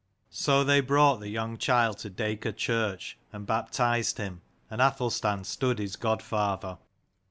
So they brought the young child to Dacor church, and baptized him, and Athelstan stood his godfather.